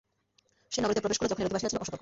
সে নগরীতে প্রবেশ করল, যখন এর অধিবাসীরা ছিল অসতর্ক।